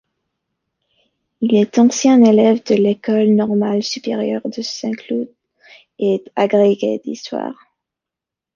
Il est ancien élève de l'École normale supérieure de Saint-Cloud et agrégé d'histoire.